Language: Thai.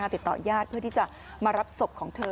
ติดต่อญาติเพื่อที่จะมารับศพของเธอ